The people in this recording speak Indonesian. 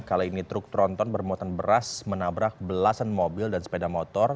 kali ini truk tronton bermuatan beras menabrak belasan mobil dan sepeda motor